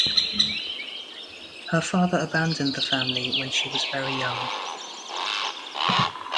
Her father abandoned the family when she was very young.